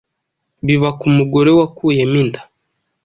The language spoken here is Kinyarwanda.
biba ku mugore wakuyemo inda,